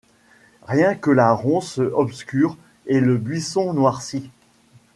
Rien que la ronce obscure et le buisson noirci.